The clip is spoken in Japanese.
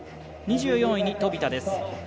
２４位に飛田です。